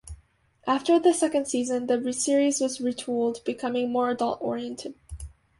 After the second season, the series was retooled, becoming more adult oriented.